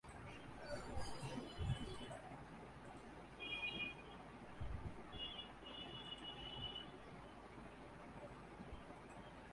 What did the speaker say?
বাংলাদেশ বেতার খুলনা কেন্দ্রের সঙ্গীত শিক্ষার আসরের পরিচালক।